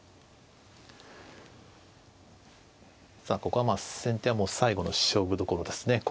さあここは先手はもう最後の勝負どころですね。